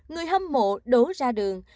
người hâm mộ đổ ra đường